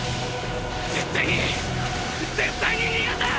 絶対に絶対に逃がさん！